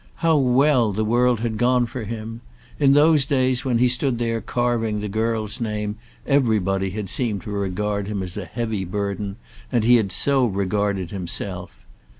How well the world had gone for him! In those days when he stood there carving the girl's name everybody had seemed to regard him as a heavy burden, and he had so regarded himself.